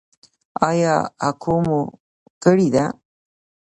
ایا اکو مو کړې ده؟